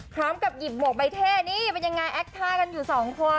พร้อมกับหยิบหมวกใบเท่นี่เป็นยังไงแอคท่ากันอยู่สองคน